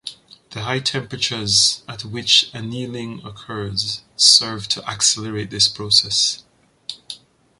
The high temperatures at which annealing occurs serve to accelerate this process.